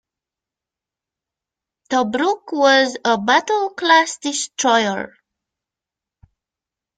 "Tobruk" was a Battle class destroyer.